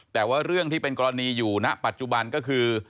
แต่ว่าเรื่องที่เป็นกรณีอยู่ณปัจจุบันก็คือ